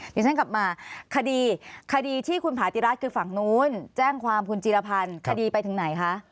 เดี๋ยวฉันกลับมาคดีคดีที่คุณผาติรัฐคือฝั่งนู้นแจ้งความคุณจีรพันธ์คดีไปถึงไหนคะ